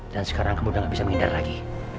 dan sekarang kamu udah gak bisa menghindar lagi